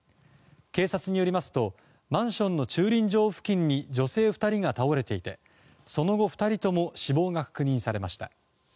警察によりますとマンションの駐輪場付近に女性２人が倒れていてその後、２人とも死亡が確認されました。